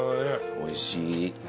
おいしい。